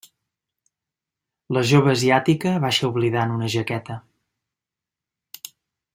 La jove asiàtica baixa oblidant una jaqueta.